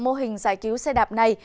mô hình giải cứu xe đạp này